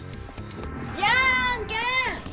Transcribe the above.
じゃあんけんッ！